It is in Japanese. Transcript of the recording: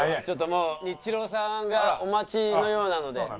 ちょっともうニッチローさんがお待ちのようなので。